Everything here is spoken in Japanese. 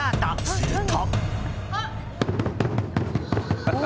すると。